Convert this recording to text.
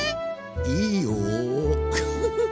いいよフフフ。